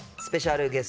スペシャル